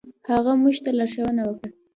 هغه موږ ته لارښوونه وکړه.